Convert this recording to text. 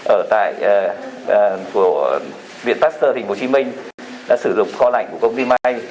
ở tại viện pasteur tp hcm đã sử dụng kho lạnh của công ty may